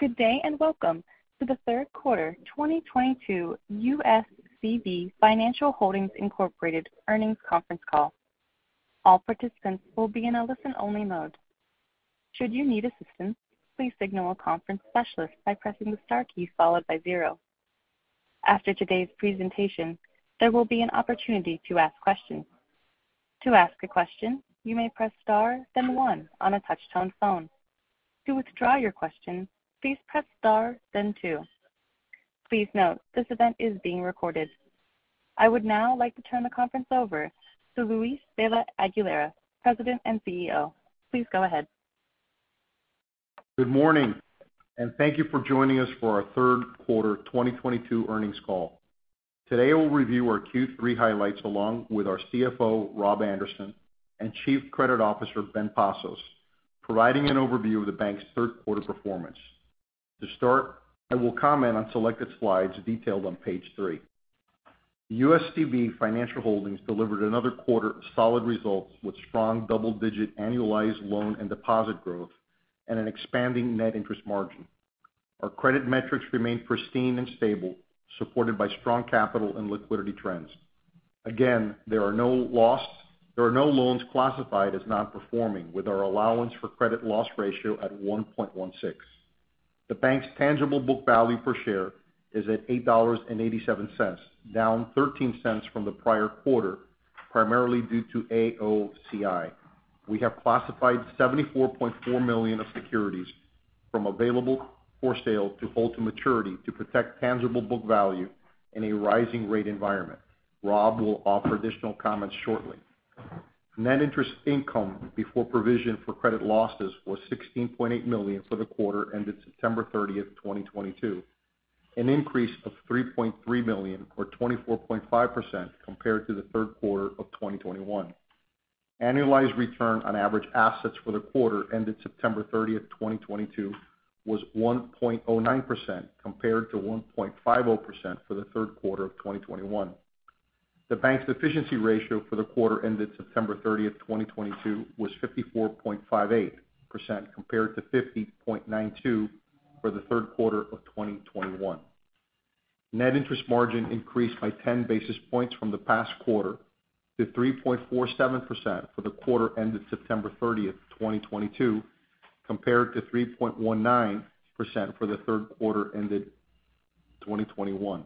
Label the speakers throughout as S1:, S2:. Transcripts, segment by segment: S1: Good day, and welcome to the third quarter 2022 USCB Financial Holdings, Inc. earnings conference call. All participants will be in a listen-only mode. Should you need assistance, please signal a conference specialist by pressing the star key followed by zero. After today's presentation, there will be an opportunity to ask questions. To ask a question, you may press star, then one on a touch-tone phone. To withdraw your question, please press star, then two. Please note, this event is being recorded. I would now like to turn the conference over to Luis de la Aguilera, President and CEO. Please go ahead.
S2: Good morning, and thank you for joining us for our Q3 2022 earnings call. Today, we'll review our Q3 highlights along with our CFO, Rob Anderson, and Chief Credit Officer, Ben Pazos, providing an overview of the bank's third quarter performance. To start, I will comment on selected slides detailed on page three. USCB Financial Holdings delivered another quarter of solid results with strong double-digit annualized loan and deposit growth and an expanding net interest margin. Our credit metrics remain pristine and stable, supported by strong capital and liquidity trends. Again, there are no loans classified as not performing with our allowance for credit loss ratio at 1.16%. The bank's tangible book value per share is at $8.87, down $0.13 from the prior quarter, primarily due to AOCI. We have classified $74.4 million of securities from available for sale to hold to maturity to protect tangible book value in a rising rate environment. Rob will offer additional comments shortly. Net interest income before provision for credit losses was $16.8 million for the quarter ended September 30th, 2022, an increase of $3.3 million or 24.5% compared to the third quarter of 2021. Annualized return on average assets for the quarter ended September 30th, 2022 was 1.09% compared to 1.50% for the third quarter of 2021. The bank's efficiency ratio for the quarter ended September 30th2022 was 54.58% compared to 50.92% for the third quarter of 2021. Net interest margin increased by 10 basis points from the past quarter to 3.47% for the quarter ended September 30th, 2022, compared to 3.19% for the third quarter ended 2021.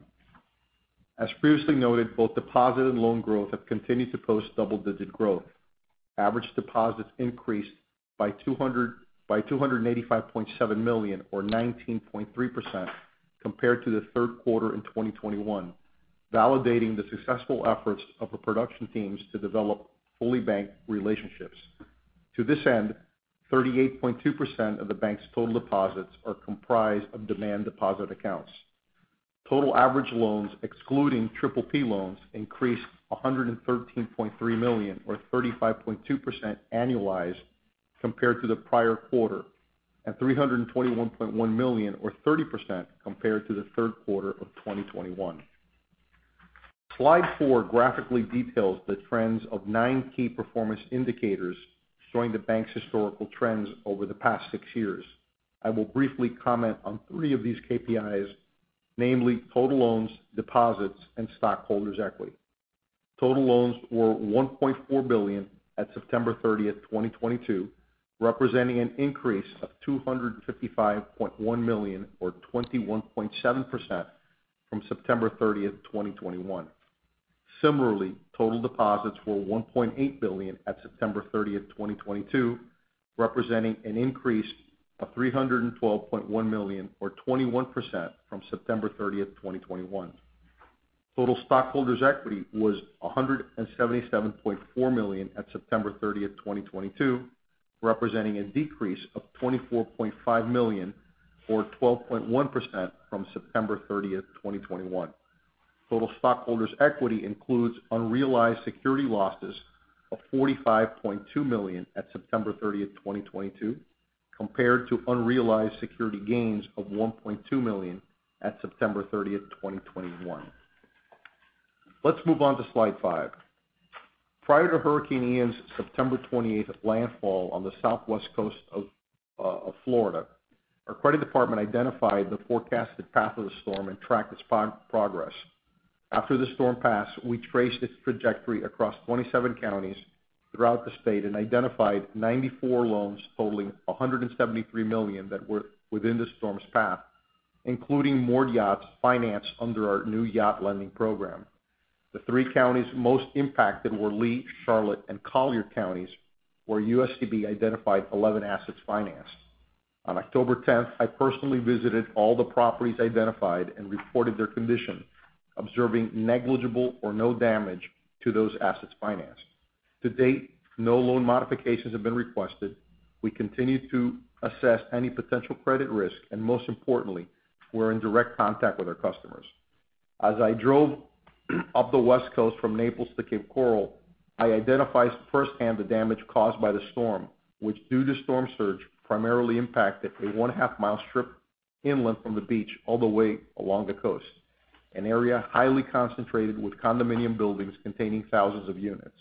S2: As previously noted, both deposit and loan growth have continued to post double-digit growth. Average deposits increased by $285.7 million or 19.3% compared to the third quarter in 2021, validating the successful efforts of the production teams to develop fully banked relationships. To this end, 38.2% of the bank's total deposits are comprised of demand deposit accounts. Total average loans excluding PPP loans increased $113.3 million or 35.2% annualized compared to the prior quarter, and $321.1 million or 30% compared to the third quarter of 2021. Slide four graphically details the trends of nine key performance indicators showing the bank's historical trends over the past six years. I will briefly comment on three of these KPIs, namely total loans, deposits, and stockholders' equity. Total loans were $1.4 billion at September 30th, 2022, representing an increase of $255.1 million or 21.7% from September 30th, 2021. Similarly, total deposits were $1.8 billion at September 30th, 2022, representing an increase of $312.1 million or 21% from September 30th, 2021. Total stockholders' equity was $177.4 million at September 30th, 2022, representing a decrease of $24.5 million or 12.1% from September 30th, 2021. Total stockholders' equity includes unrealized security losses of $45.2 million at September 30th, 2022 compared to unrealized security gains of $1.2 million at September 30th, 2021. Let's move on to slide five. Prior to Hurricane Ian's September 28 landfall on the southwest coast of Florida, our credit department identified the forecasted path of the storm and tracked its progress. After the storm passed, we traced its trajectory across 27 counties throughout the state and identified 94 loans totaling $173 million that were within the storm's path, including more yachts financed under our new yacht lending program. The three counties most impacted were Lee, Charlotte, and Collier Counties, where USCB identified 11 assets financed. On October 10th, I personally visited all the properties identified and reported their condition, observing negligible or no damage to those assets financed. To date, no loan modifications have been requested. We continue to assess any potential credit risk, and most importantly, we're in direct contact with our customers. As I drove up the West Coast from Naples to Cape Coral, I identified firsthand the damage caused by the storm, which, due to storm surge, primarily impacted a 1.5-mile strip inland from the beach all the way along the coast, an area highly concentrated with condominium buildings containing thousands of units.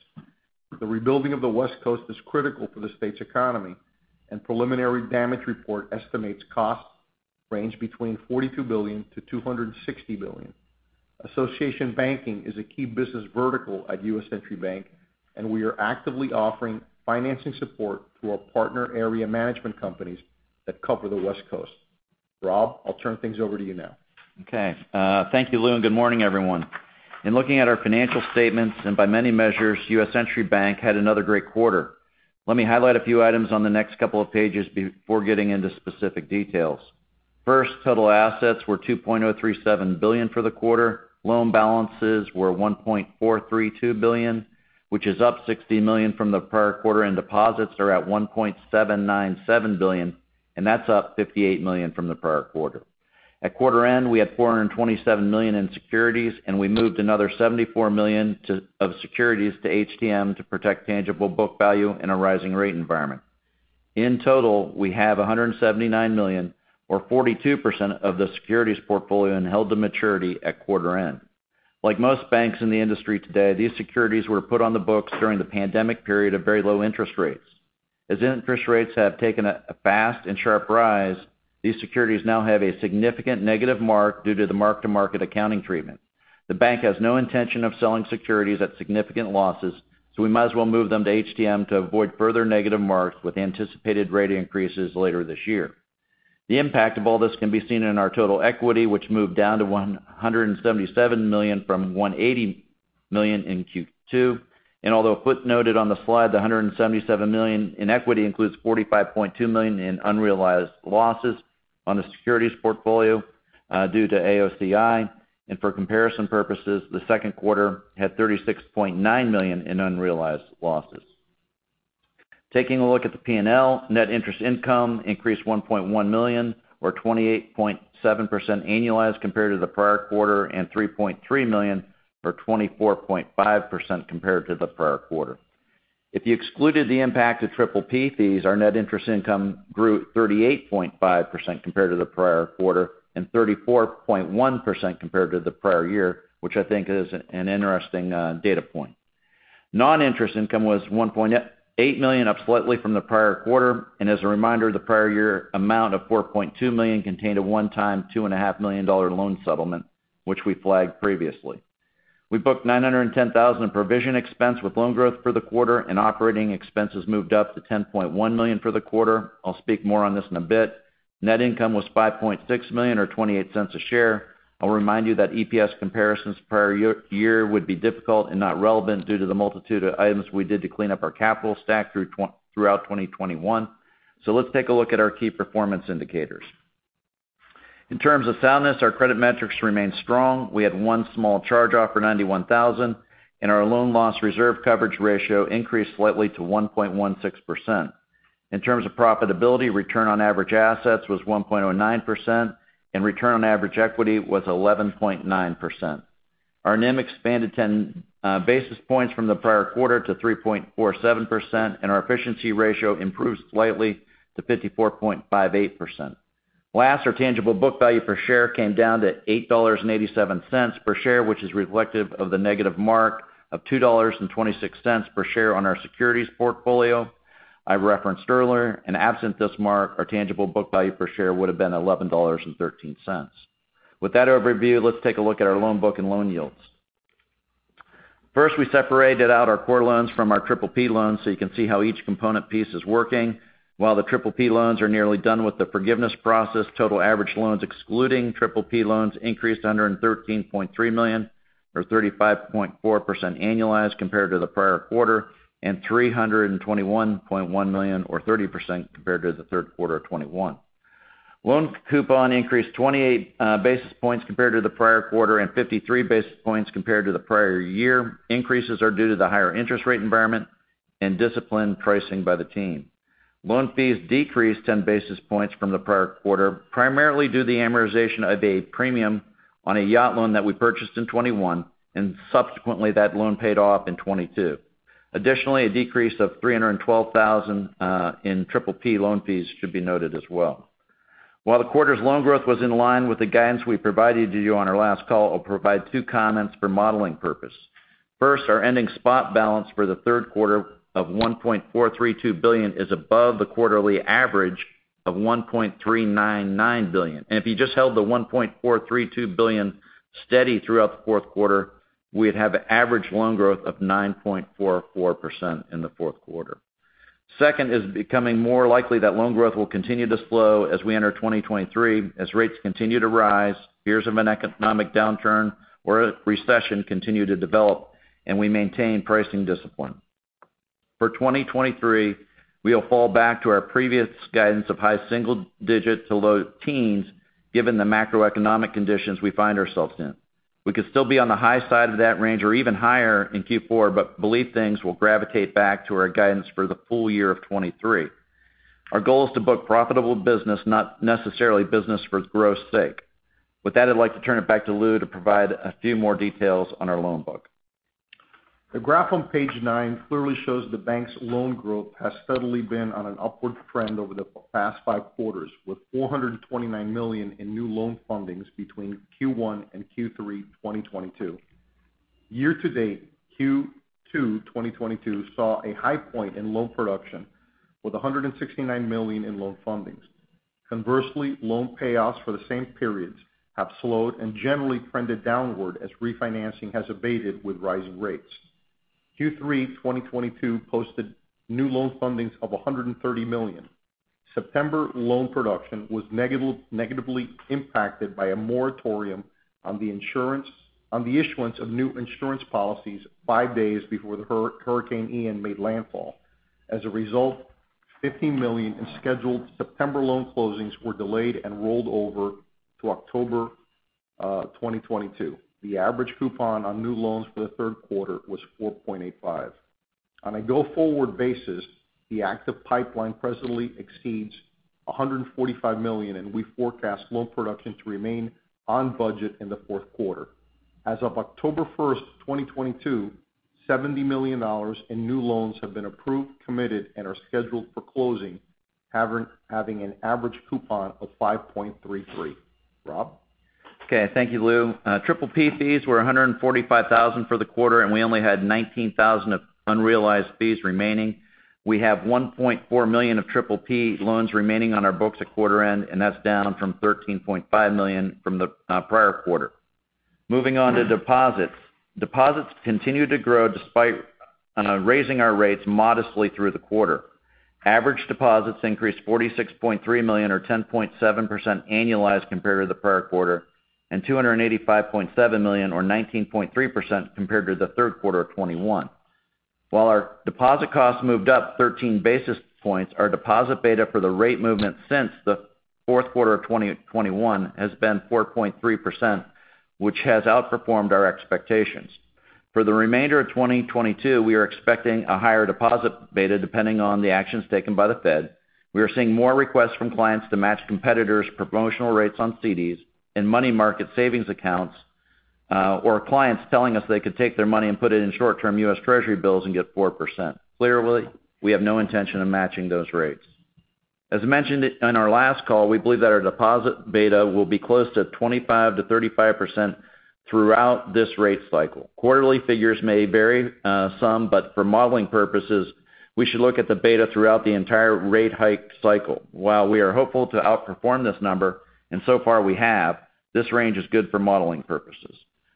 S2: The rebuilding of the West Coast is critical for the state's economy, and preliminary damage report estimates costs range between $42 billion-$260 billion. Association banking is a key business vertical at U.S. Century Bank, and we are actively offering financing support to our partner area management companies that cover the West Coast. Rob, I'll turn things over to you now.
S3: Okay. Thank you, Lou, and good morning, everyone. In looking at our financial statements, and by many measures, U.S. Century Bank had another great quarter. Let me highlight a few items on the next couple of pages before getting into specific details. First, total assets were $2.037 billion for the quarter. Loan balances were $1.432 billion, which is up $60 million from the prior quarter, and deposits are at $1.797 billion, and that's up $58 million from the prior quarter. At quarter end, we had $427 million in securities, and we moved another $74 million of securities to HTM to protect tangible book value in a rising rate environment. In total, we have $179 million or 42% of the securities portfolio and held to maturity at quarter end. Like most banks in the industry today, these securities were put on the books during the pandemic period of very low interest rates. As interest rates have taken a fast and sharp rise, these securities now have a significant negative mark due to the mark-to-market accounting treatment. The bank has no intention of selling securities at significant losses, so we might as well move them to HTM to avoid further negative marks with anticipated rate increases later this year. The impact of all this can be seen in our total equity, which moved down to $177 million from $180 million in Q2. Although footnoted on the slide, the $177 million in equity includes $45.2 million in unrealized losses on the securities portfolio, due to AOCI. For comparison purposes, the second quarter had $36.9 million in unrealized losses. Taking a look at the P&L, net interest income increased $1.1 million or 28.7% annualized compared to the prior quarter, and $3.3 million or 24.5% compared to the prior year. If you excluded the impact of PPP fees, our net interest income grew 38.5% compared to the prior quarter and 34.1% compared to the prior year, which I think is an interesting data point. Non-interest income was $1.8 million, up slightly from the prior quarter. As a reminder, the prior year amount of $4.2 million contained a one-time $2.5 million loan settlement, which we flagged previously. We booked $910,000 provision expense with loan growth for the quarter, and operating expenses moved up to $10.1 million for the quarter. I'll speak more on this in a bit. Net income was $5.6 million or $0.28 A share. I'll remind you that EPS comparisons prior year would be difficult and not relevant due to the multitude of items we did to clean up our capital stack through throughout 2021. Let's take a look at our key performance indicators. In terms of soundness, our credit metrics remain strong. We had one small charge-off for $91,000, and our loan loss reserve coverage ratio increased slightly to 1.16%. In terms of profitability, return on average assets was 1.09%, and return on average equity was 11.9%. Our NIM expanded 10 basis points from the prior quarter to 3.47%, and our efficiency ratio improved slightly to 54.58%. Our tangible book value per share came down to $8.87 per share, which is reflective of the negative mark of $2.26 per share on our securities portfolio I referenced earlier. Absent this mark, our tangible book value per share would have been $11.13. With that overview, let's take a look at our loan book and loan yields. First, we separated out our core loans from our PPP loans so you can see how each component piece is working. While the PPP loans are nearly done with the forgiveness process, total average loans excluding PPP loans increased to $113.3 million or 35.4% annualized compared to the prior quarter and $321.1 million or 30% compared to the third quarter of 2021. Loan coupon increased 28 basis points compared to the prior quarter and 53 basis points compared to the prior year. Increases are due to the higher interest rate environment and disciplined pricing by the team. Loan fees decreased 10 basis points from the prior quarter, primarily due to the amortization of a premium on a yacht loan that we purchased in 2021 and subsequently that loan paid off in 2022. Additionally, a decrease of $312,000 in PPP loan fees should be noted as well. While the quarter's loan growth was in line with the guidance we provided to you on our last call, I'll provide two comments for modeling purpose. First, our ending spot balance for the third quarter of $1.432 billion is above the quarterly average of $1.399 billion. If you just held the $1.432 billion steady throughout the fourth quarter, we'd have average loan growth of 9.44% in the fourth quarter. Second, it's becoming more likely that loan growth will continue to slow as we enter 2023 as rates continue to rise, fears of an economic downturn or a recession continue to develop, and we maintain pricing discipline. For 2023, we'll fall back to our previous guidance of high single-digit to low teens given the macroeconomic conditions we find ourselves in. We could still be on the high side of that range or even higher in Q4, but believe things will gravitate back to our guidance for the full year of 2023. Our goal is to book profitable business, not necessarily business for growth's sake. With that, I'd like to turn it back to Lou to provide a few more details on our loan book.
S2: The graph on page nine clearly shows the bank's loan growth has steadily been on an upward trend over the past five quarters, with $429 million in new loan fundings between Q1 and Q3 2022. Year-to-date, Q2 2022 saw a high point in loan production with $169 million in loan fundings. Conversely, loan payoffs for the same periods have slowed and generally trended downward as refinancing has abated with rising rates. Q3 2022 posted new loan fundings of $130 million. September loan production was negatively impacted by a moratorium on the issuance of new insurance policies five days before the Hurricane Ian made landfall. As a result, $50 million in scheduled September loan closings were delayed and rolled over to October 2022. The average coupon on new loans for the third quarter was 4.85%. On a go-forward basis, the active pipeline presently exceeds $145 million, and we forecast loan production to remain on budget in the fourth quarter. As of October 1st, 2022, $70 million in new loans have been approved, committed, and are scheduled for closing, having an average coupon of 5.33%. Rob?
S3: Thank you, Lou. PPP fees were $145,000 for the quarter, and we only had $19,000 of unrealized fees remaining. We have $1.4 million of PPP loans remaining on our books at quarter end, and that's down from $13.5 million from the prior quarter. Moving on to deposits. Deposits continued to grow despite raising our rates modestly through the quarter. Average deposits increased $46.3 million or 10.7% annualized compared to the prior quarter, and $285.7 million or 19.3% compared to the third quarter of 2021. While our deposit costs moved up 13 basis points, our deposit beta for the rate movement since the fourth quarter of 2021 has been 4.3%, which has outperformed our expectations. For the remainder of 2022, we are expecting a higher deposit beta, depending on the actions taken by the Fed. We are seeing more requests from clients to match competitors' promotional rates on CDs and money market savings accounts, or clients telling us they could take their money and put it in short-term U.S. Treasury bills and get 4%. Clearly, we have no intention of matching those rates. As mentioned in our last call, we believe that our deposit beta will be close to 25%-35% throughout this rate cycle. Quarterly figures may vary, some, but for modeling purposes, we should look at the beta throughout the entire rate hike cycle. While we are hopeful to outperform this number, and so far we have, this range is good for modeling purposes.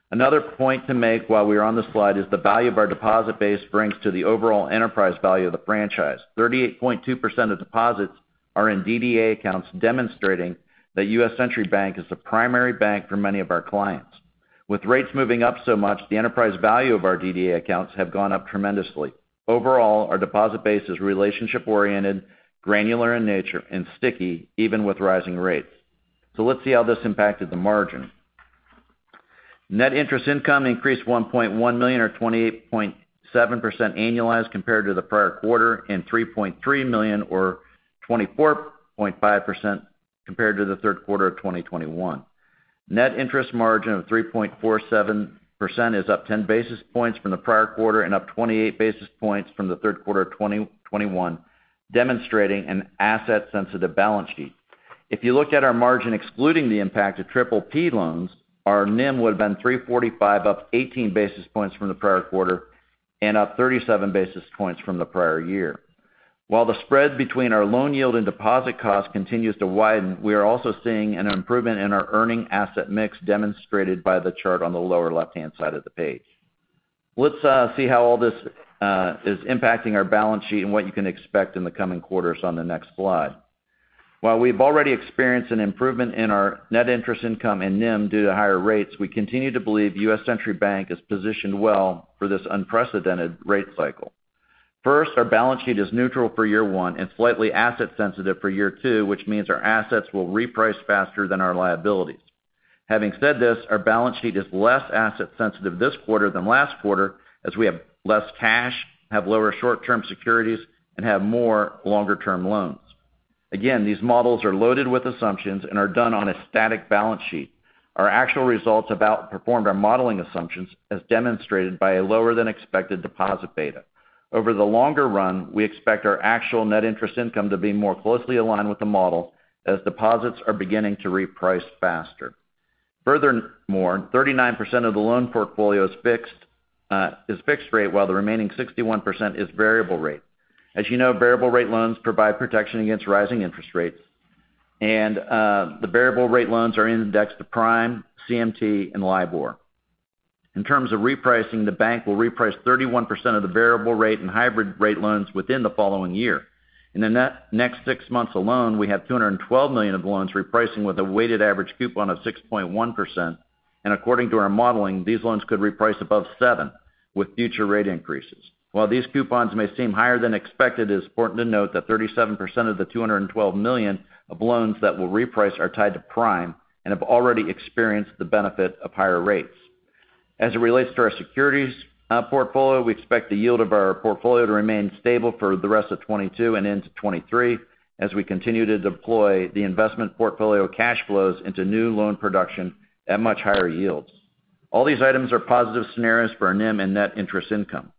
S3: Another point to make while we are on this slide is the value of our deposit base brings to the overall enterprise value of the franchise. 38.2% of deposits are in DDA accounts, demonstrating that U.S. Century Bank is the primary bank for many of our clients. With rates moving up so much, the enterprise value of our DDA accounts have gone up tremendously. Overall, our deposit base is relationship-oriented, granular in nature, and sticky even with rising rates. Let's see how this impacted the margin. Net interest income increased $1.1 million or 28.7% annualized compared to the prior quarter and $3.3 million or 24.5% compared to the third quarter of 2021. Net interest margin of 3.47% is up 10 basis points from the prior quarter and up 28 basis points from the third quarter of 2021, demonstrating an asset-sensitive balance sheet. If you look at our margin excluding the impact of PPP loans, our NIM would have been 3.45, up 18 basis points from the prior quarter and up 37 basis points from the prior year. While the spread between our loan yield and deposit cost continues to widen, we are also seeing an improvement in our earning asset mix, demonstrated by the chart on the lower left-hand side of the page. Let's see how all this is impacting our balance sheet and what you can expect in the coming quarters on the next slide. While we've already experienced an improvement in our net interest income and NIM due to higher rates, we continue to believe U.S. Century Bank is positioned well for this unprecedented rate cycle. First, our balance sheet is neutral for year one and slightly asset sensitive for year two, which means our assets will reprice faster than our liabilities. Having said this, our balance sheet is less asset sensitive this quarter than last quarter, as we have less cash, have lower short-term securities, and have more longer-term loans. Again, these models are loaded with assumptions and are done on a static balance sheet. Our actual results have outperformed our modeling assumptions, as demonstrated by a lower-than-expected deposit beta. Over the longer run, we expect our actual net interest income to be more closely aligned with the model as deposits are beginning to reprice faster. Furthermore, 39% of the loan portfolio is fixed rate, while the remaining 61% is variable rate. As you know, variable rate loans provide protection against rising interest rates and the variable rate loans are indexed to Prime, CMT, and LIBOR. In terms of repricing, the bank will reprice 31% of the variable rate and hybrid rate loans within the following year. In the next six months alone, we have $212 million of loans repricing with a weighted average coupon of 6.1%, and according to our modeling, these loans could reprice above 7% with future rate increases. While these coupons may seem higher than expected, it is important to note that 37% of the $212 million of loans that will reprice are tied to Prime and have already experienced the benefit of higher rates. As it relates to our securities portfolio, we expect the yield of our portfolio to remain stable for the rest of 2022 and into 2023 as we continue to deploy the investment portfolio cash flows into new loan production at much higher yields. All these items are positive scenarios for NIM and net interest income.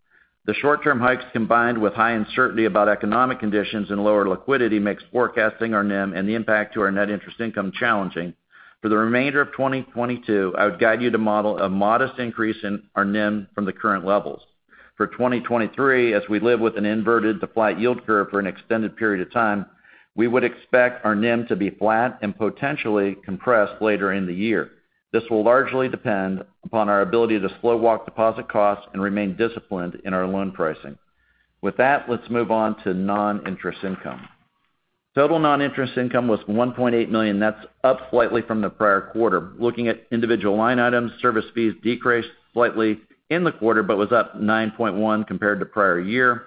S3: The short-term hikes, combined with high uncertainty about economic conditions and lower liquidity, makes forecasting our NIM and the impact to our net interest income challenging. For the remainder of 2022, I would guide you to model a modest increase in our NIM from the current levels. For 2023, as we live with an inverted to flat yield curve for an extended period of time, we would expect our NIM to be flat and potentially compressed later in the year. This will largely depend upon our ability to slow walk deposit costs and remain disciplined in our loan pricing. With that, let's move on to non-interest income. Total non-interest income was $1.8 million. That's up slightly from the prior quarter. Looking at individual line items, service fees decreased slightly in the quarter, but was up 9.1% compared to prior year.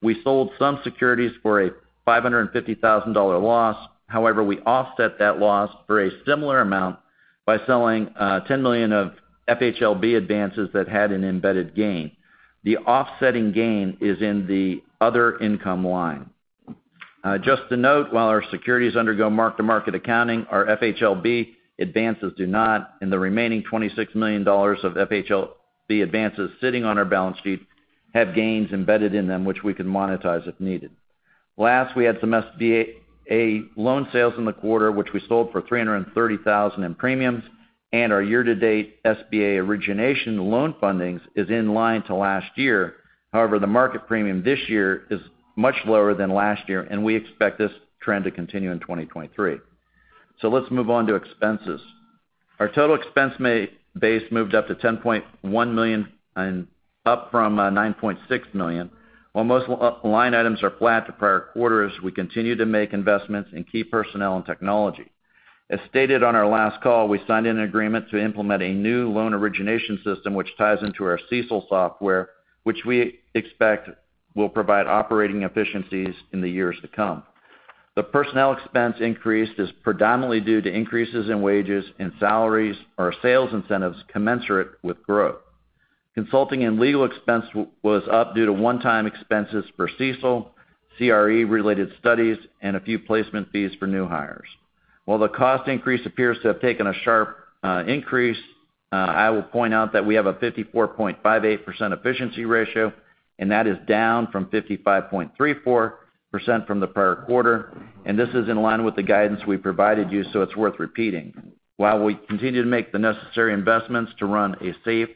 S3: We sold some securities for a $550,000 loss. However, we offset that loss for a similar amount by selling $10 million of FHLB advances that had an embedded gain. The offsetting gain is in the other income line. Just to note, while our securities undergo mark-to-market accounting, our FHLB advances do not, and the remaining $26 million of FHLB advances sitting on our balance sheet have gains embedded in them which we can monetize if needed. Last, we had some SBA loan sales in the quarter which we sold for $330,000 in premiums, and our year-to-date SBA origination loan fundings is in line to last year. However, the market premium this year is much lower than last year, and we expect this trend to continue in 2023. Let's move on to expenses. Our total expense base moved up to $10.1 million and up from $9.6 million. While most line items are flat to prior quarters, we continue to make investments in key personnel and technology. As stated on our last call, we signed an agreement to implement a new loan origination system which ties into our CECL software, which we expect will provide operating efficiencies in the years to come. The personnel expense increase is predominantly due to increases in wages and salaries, or sales incentives commensurate with growth. Consulting and legal expense was up due to one-time expenses for CECL, CRE-related studies, and a few placement fees for new hires. While the cost increase appears to have taken a sharp increase, I will point out that we have a 54.58% efficiency ratio, and that is down from 55.34% from the prior quarter, and this is in line with the guidance we provided you, so it's worth repeating. While we continue to make the necessary investments to run a safe,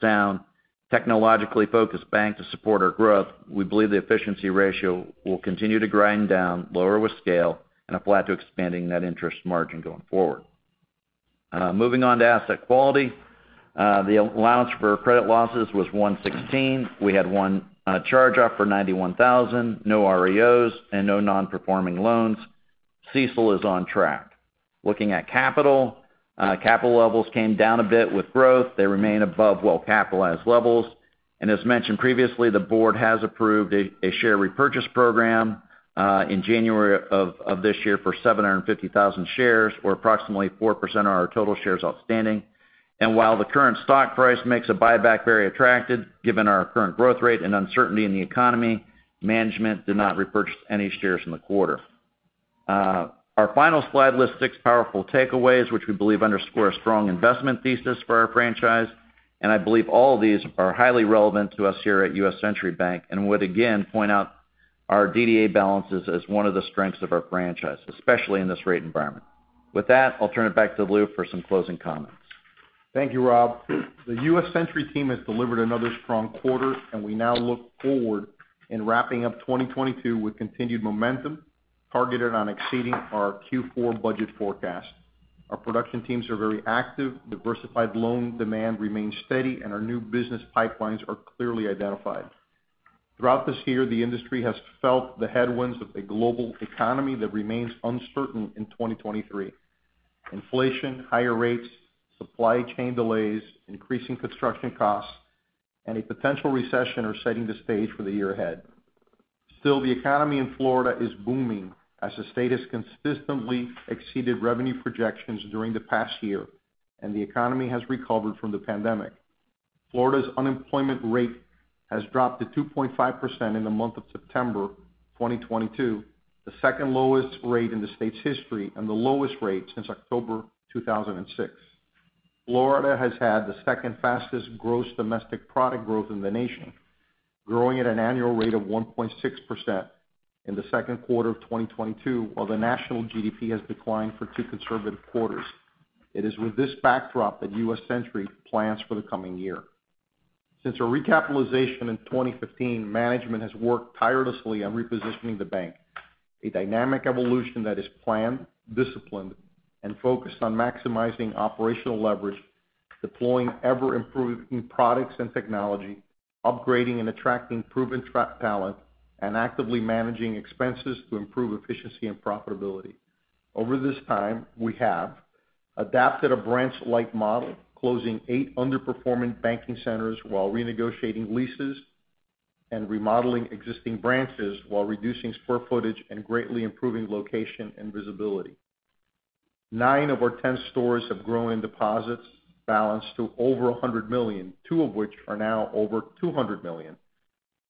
S3: sound, technologically focused bank to support our growth, we believe the efficiency ratio will continue to grind down lower with scale and apply to expanding net interest margin going forward. Moving on to asset quality. The allowance for credit losses was $116. We had one charge-off for $91,000, no REOs, and no non-performing loans. CECL is on track. Looking at capital. Capital levels came down a bit with growth. They remain above well-capitalized levels. As mentioned previously, the board has approved a share repurchase program in January of this year for 750,000 shares, or approximately 4% of our total shares outstanding. While the current stock price makes a buyback very attractive, given our current growth rate and uncertainty in the economy, management did not repurchase any shares in the quarter. Our final slide lists six powerful takeaways, which we believe underscore a strong investment thesis for our franchise, and I believe all of these are highly relevant to us here at U.S. Century Bank, and would again point out our DDA balances as one of the strengths of our franchise, especially in this rate environment. With that, I'll turn it back to Lou for some closing comments.
S2: Thank you, Rob. The U.S. Century team has delivered another strong quarter, and we now look forward in wrapping up 2022 with continued momentum targeted on exceeding our Q4 budget forecast. Our production teams are very active, diversified loan demand remains steady, and our new business pipelines are clearly identified. Throughout this year, the industry has felt the headwinds of a global economy that remains uncertain in 2023. Inflation, higher rates, supply chain delays, increasing construction costs, and a potential recession are setting the stage for the year ahead. Still, the economy in Florida is booming as the state has consistently exceeded revenue projections during the past year, and the economy has recovered from the pandemic. Florida's unemployment rate has dropped to 2.5% in the month of September 2022, the second lowest rate in the state's history and the lowest rate since October 2006. Florida has had the second fastest gross domestic product growth in the nation, growing at an annual rate of 1.6% in the second quarter of 2022, while the national GDP has declined for two consecutive quarters. It is with this backdrop that U.S. Century plans for the coming year. Since our recapitalization in 2015, management has worked tirelessly on repositioning the bank. A dynamic evolution that is planned, disciplined, and focused on maximizing operational leverage, deploying ever-improving products and technology, upgrading and attracting proven talent, and actively managing expenses to improve efficiency and profitability. Over this time, we have adapted a branch-like model, closing eight underperforming banking centers while renegotiating leases and remodeling existing branches while reducing square footage and greatly improving location and visibility. Nine of our 10 stores have grown in deposits balance to over $100 million, two of which are now over $200 million.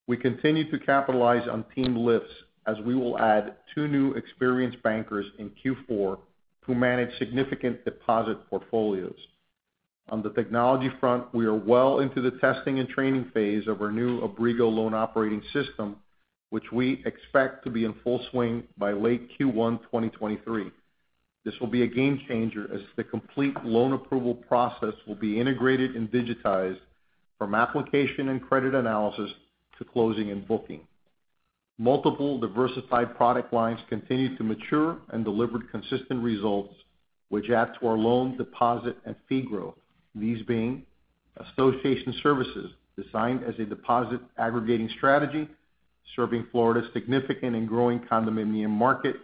S2: We continue to capitalize on team lifts as we will add two new experienced bankers in Q4 who manage significant deposit portfolios. On the technology front, we are well into the testing and training phase of our new Abrigo loan operating system, which we expect to be in full swing by late Q1 2023. This will be a game changer as the complete loan approval process will be integrated and digitized from application and credit analysis to closing and booking. Multiple diversified product lines continue to mature and delivered consistent results which add to our loan deposit and fee growth. These being association services designed as a deposit aggregating strategy, serving Florida's significant and growing condominium market.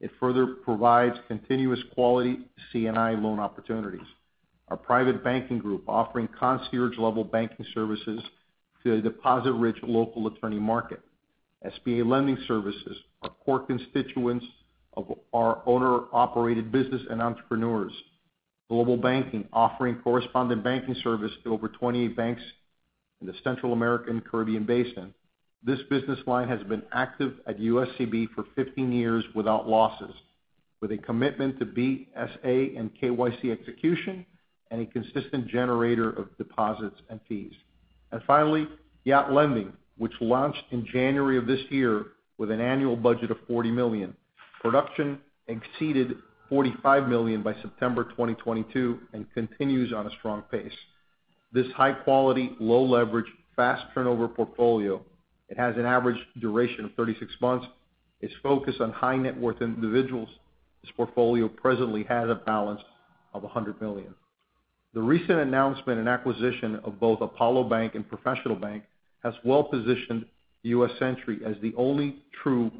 S2: It further provides continuous quality C&I loan opportunities. Our private banking group offering concierge-level banking services to a deposit-rich local attorney market. SBA lending services, our core constituents of our owner-operated business and entrepreneurs. Global banking offering correspondent banking service to over 28 banks in the Central American Caribbean Basin. This business line has been active at USCB for 15 years without losses, with a commitment to BSA and KYC execution and a consistent generator of deposits and fees. Finally, yacht lending, which launched in January of this year with an annual budget of $40 million. Production exceeded $45 million by September 2022 and continues on a strong pace. This high quality, low leverage, fast turnover portfolio, it has an average duration of 36 months. It's focused on high net worth individuals. This portfolio presently has a balance of $100 million. The recent announcement and acquisition of both Apollo Bank and Professional Bank has well-positioned U.S. Century as the only true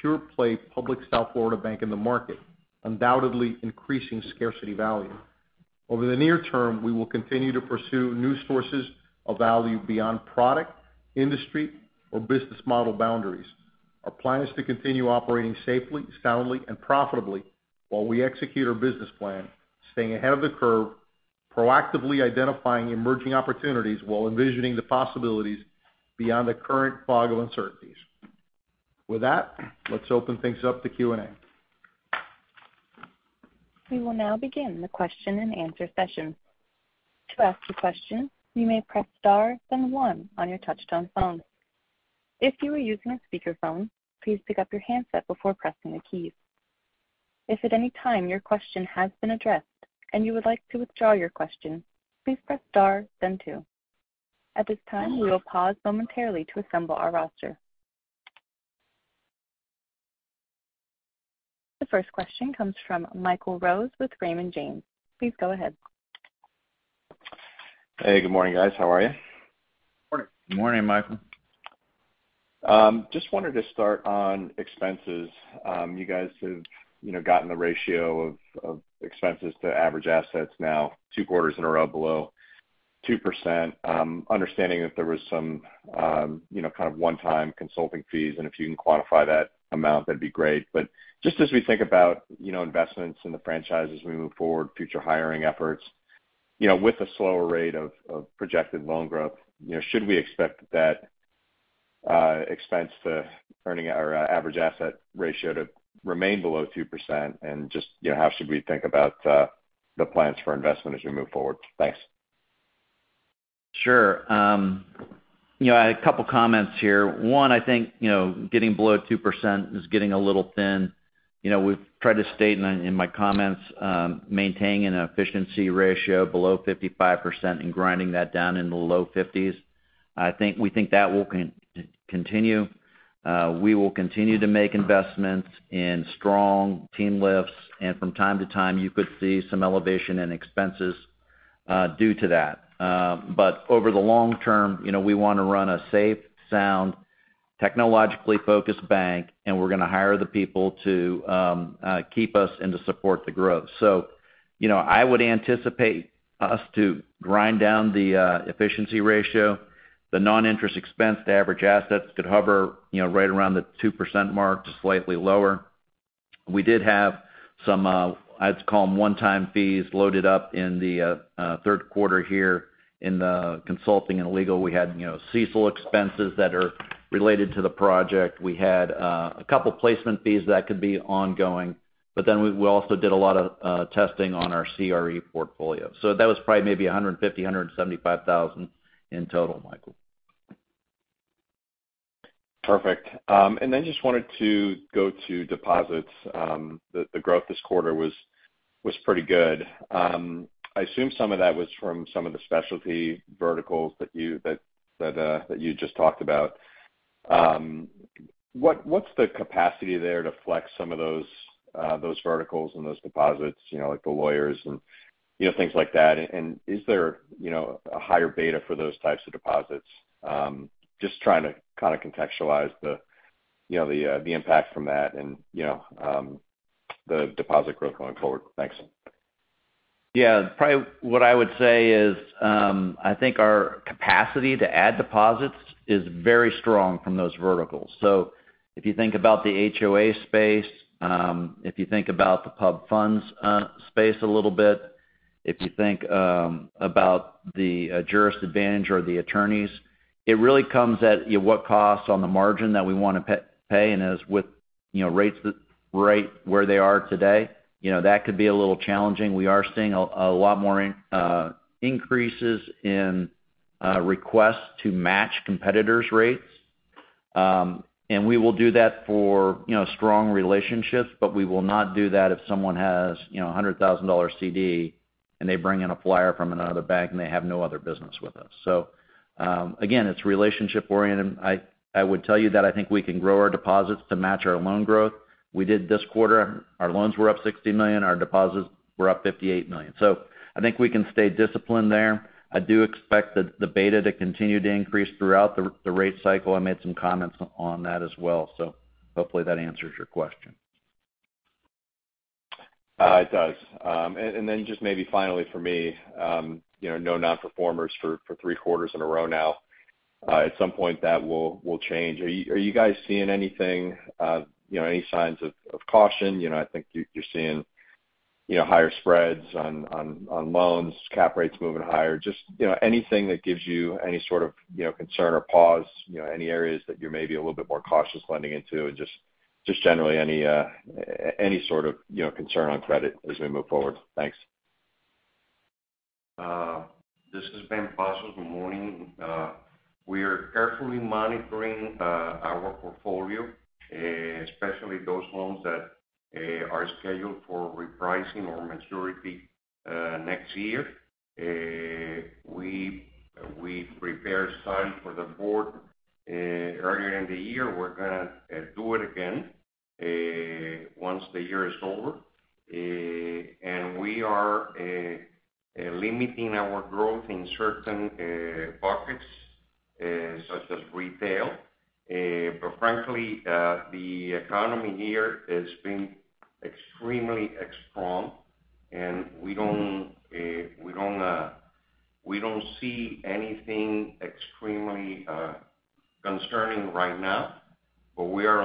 S2: pure-play public South Florida bank in the market, undoubtedly increasing scarcity value. Over the near term, we will continue to pursue new sources of value beyond product, industry, or business model boundaries. Our plan is to continue operating safely, soundly, and profitably while we execute our business plan, staying ahead of the curve, proactively identifying emerging opportunities while envisioning the possibilities beyond the current fog of uncertainties. With that, let's open things up to Q&A.
S1: We will now begin the question-and-answer session. To ask a question, you may press star then one on your touch-tone phone. If you are using a speakerphone, please pick up your handset before pressing the keys. If at any time your question has been addressed and you would like to withdraw your question, please press star then two. At this time, we will pause momentarily to assemble our roster. The first question comes from Michael Rose with Raymond James. Please go ahead.
S4: Hey, good morning, guys. How are you?
S2: Morning.
S3: Good morning, Michael.
S4: Just wanted to start on expenses. You guys have, you know, gotten the ratio of expenses to average assets now two quarters in a row below 2%. Understanding that there was some, you know, kind of one-time consulting fees, and if you can quantify that amount, that'd be great. Just as we think about, you know, investments in the franchise as we move forward, future hiring efforts, you know, with a slower rate of projected loan growth, you know, should we expect that expense to earning assets ratio to remain below 2%? Just, you know, how should we think about the plans for investment as we move forward? Thanks.
S3: Sure. You know, I had a couple of comments here. One, I think, you know, getting below 2% is getting a little thin. You know, we've tried to state in my comments, maintaining an efficiency ratio below 55% and grinding that down in the low 50s. We think that will continue. We will continue to make investments in strong team lifts, and from time to time, you could see some elevation in expenses due to that. Over the long term, you know, we want to run a safe, sound, technologically focused bank, and we're going to hire the people to keep us and to support the growth. You know, I would anticipate us to grind down the efficiency ratio. The non-interest expense to average assets could hover, you know, right around the 2% mark to slightly lower. We did have some, I'd call them one-time fees loaded up in the third quarter here in the consulting and legal. We had, you know, CECL expenses that are related to the project. We had a couple placement fees that could be ongoing, but then we also did a lot of testing on our CRE portfolio. That was probably maybe $150,000-$175,000 in total, Michael.
S4: Perfect. Just wanted to go to deposits. The growth this quarter was pretty good. I assume some of that was from some of the specialty verticals that you just talked about. What's the capacity there to flex some of those verticals and those deposits, you know, like the lawyers and, you know, things like that? Is there, you know, a higher beta for those types of deposits? Just trying to kind of contextualize the, you know, the impact from that and, you know, the deposit growth going forward. Thanks.
S3: Yeah. Probably what I would say is, I think our capacity to add deposits is very strong from those verticals. So if you think about the HOA space, if you think about the public funds space a little bit, if you think about the JURIST Advantage or the attorneys, it really comes down to what costs on the margin that we want to pay and with, you know, rates right where they are today, you know, that could be a little challenging. We are seeing a lot more increases in requests to match competitors' rates. We will do that for, you know, strong relationships, but we will not do that if someone has, you know, a $100,000 CD and they bring in a flyer from another bank, and they have no other business with us. Again, it's relationship-oriented. I would tell you that I think we can grow our deposits to match our loan growth. We did this quarter. Our loans were up $60 million, our deposits were up $58 million. I think we can stay disciplined there. I do expect the beta to continue to increase throughout the rate cycle. I made some comments on that as well. Hopefully that answers your question.
S4: It does. Then just maybe finally for me, you know, no non-performers for three quarters in a row now. At some point that will change. Are you guys seeing anything, you know, any signs of caution? You know, I think you're seeing, you know, higher spreads on loans, cap rates moving higher. Just, you know, anything that gives you any sort of, you know, concern or pause, you know, any areas that you're maybe a little bit more cautious lending into and just generally any sort of, you know, concern on credit as we move forward? Thanks.
S5: This is Ben Pazos. Good morning. We are carefully monitoring our portfolio, especially those loans that are scheduled for repricing or maturity next year. We prepared slides for the board earlier in the year. We're going to do it again once the year is over. We are limiting our growth in certain buckets, such as retail. But frankly, the economy here has been extremely strong, and we don't see anything extremely concerning right now. But we are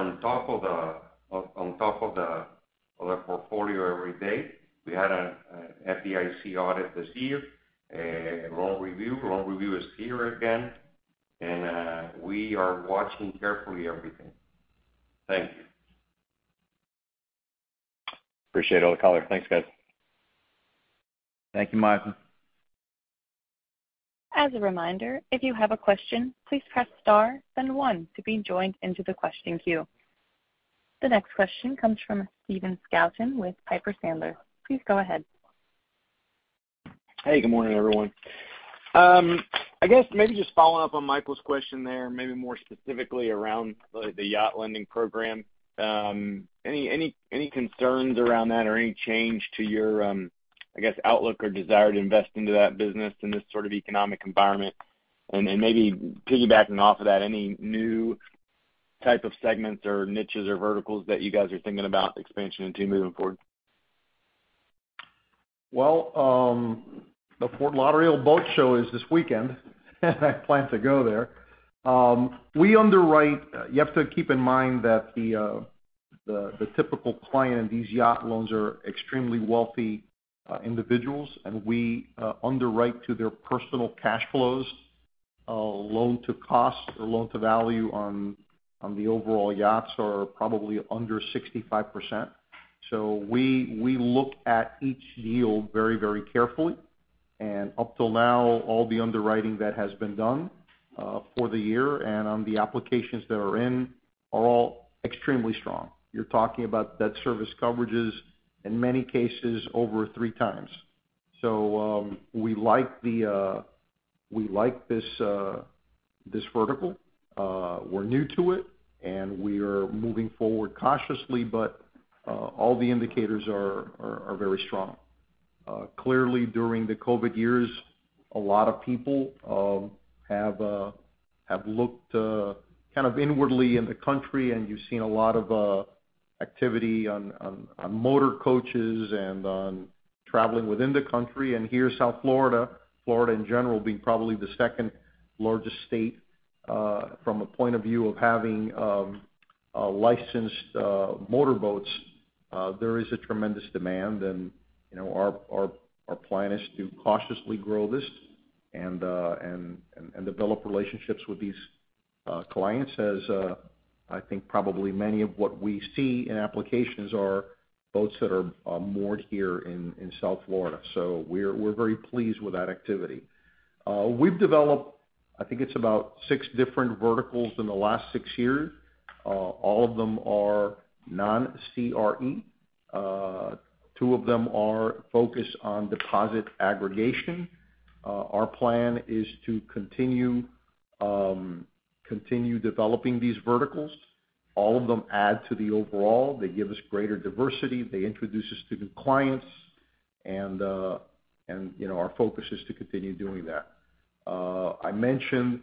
S5: on top of the portfolio every day. We had an FDIC audit this year, a loan review. Loan review is here again. We are watching carefully everything. Thank you.
S4: Appreciate all the color. Thanks, guys.
S3: Thank you, Michael.
S1: As a reminder, if you have a question, please press star then one to be joined into the question queue. The next question comes from Stephen Scouten with Piper Sandler. Please go ahead.
S6: Hey, good morning, everyone. I guess maybe just following up on Michael's question there, maybe more specifically around the yacht lending program. Any concerns around that or any change to your, I guess, outlook or desire to invest into that business in this sort of economic environment? Maybe piggybacking off of that, any new type of segments or niches or verticals that you guys are thinking about expansion into moving forward?
S2: Well, the Fort Lauderdale Boat Show is this weekend, and I plan to go there. We underwrite. You have to keep in mind that the typical client in these yacht loans are extremely wealthy individuals, and we underwrite to their personal cash flows. Loan to cost or loan to value on the overall yachts are probably under 65%. We look at each deal very carefully. Up till now, all the underwriting that has been done for the year and on the applications that are in are all extremely strong. You're talking about debt service coverages in many cases over 3x. We like this vertical. We're new to it, and we are moving forward cautiously, but all the indicators are very strong. Clearly during the COVID years, a lot of people have looked kind of inwardly in the country, and you've seen a lot of activity on motor coaches and on traveling within the country. Here, South Florida in general being probably the second largest state from a point of view of having licensed motorboats, there is a tremendous demand. You know, our plan is to cautiously grow this and develop relationships with these clients as I think probably many of what we see in applications are boats that are moored here in South Florida. We're very pleased with that activity. We've developed, I think it's about six different verticals in the last six years. All of them are non-CRE. Two of them are focused on deposit aggregation. Our plan is to continue developing these verticals. All of them add to the overall. They give us greater diversity. They introduce us to new clients and, you know, our focus is to continue doing that. I mentioned,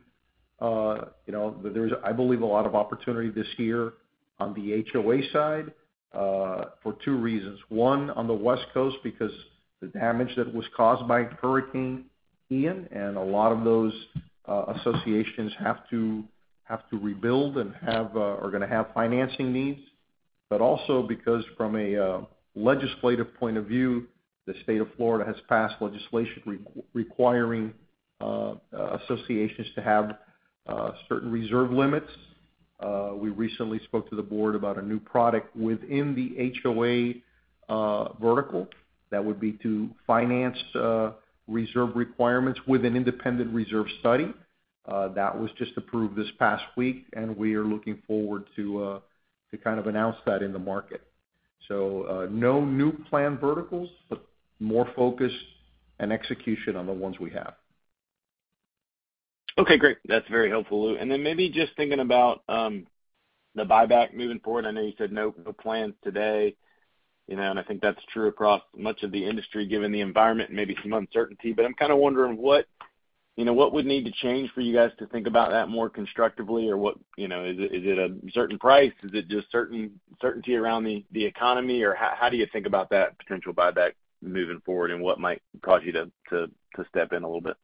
S2: you know, that there's, I believe, a lot of opportunity this year on the HOA side for two reasons. One, on the West Coast because the damage that was caused by Hurricane Ian and a lot of those associations have to rebuild and are going to have financing needs. But also because from a legislative point of view, the state of Florida has passed legislation requiring associations to have certain reserve limits. We recently spoke to the board about a new product within the HOA vertical. That would be to finance reserve requirements with an independent reserve study. That was just approved this past week, and we are looking forward to kind of announce that in the market. No new plan verticals, but more focus and execution on the ones we have.
S6: Okay, great. That's very helpful, Lou. Then maybe just thinking about the buyback moving forward. I know you said no plans today, you know, and I think that's true across much of the industry given the environment and maybe some uncertainty. I'm kind of wondering what, you know, what would need to change for you guys to think about that more constructively? What, you know, is it a certain price? Is it just certainty around the economy? How do you think about that potential buyback moving forward, and what might cause you to step in a little bit?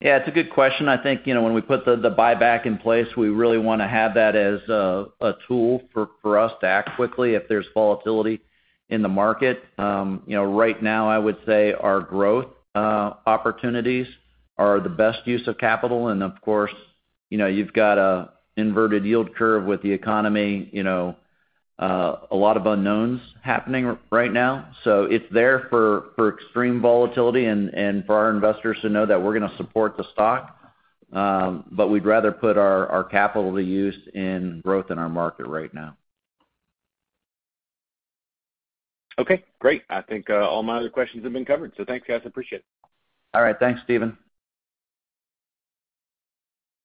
S3: Yeah, it's a good question. I think, you know, when we put the buyback in place, we really want to have that as a tool for us to act quickly if there's volatility in the market. You know, right now, I would say our growth opportunities are the best use of capital. Of course, you know, you've got an inverted yield curve with the economy, you know, a lot of unknowns happening right now. It's there for extreme volatility and for our investors to know that we're going to support the stock, but we'd rather put our capital to use in growth in our market right now.
S6: Okay, great. I think, all my other questions have been covered, so thanks guys, appreciate it.
S3: All right. Thanks, Stephen.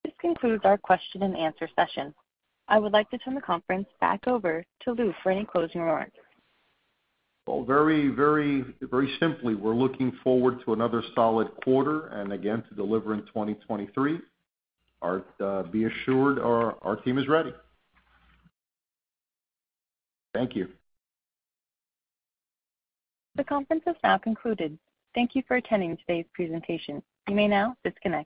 S1: This concludes our question-and-answer session. I would like to turn the conference back over to Lou for any closing remarks.
S2: Well, very simply, we're looking forward to another solid quarter and again to deliver in 2023. Be assured our team is ready. Thank you.
S1: The conference has now concluded. Thank you for attending today's presentation. You may now disconnect.